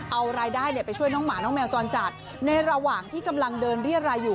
เอารายได้ไปช่วยน้องหมาน้องแมวจรจัดในระหว่างที่กำลังเดินเรียรายอยู่